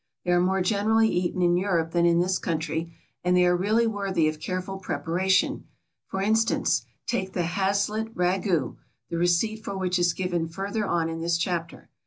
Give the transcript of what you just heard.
They are more generally eaten in Europe than in this country, and they are really worthy of careful preparation; for instance, take the haslet ragout, the receipt for which is given further on in this chapter.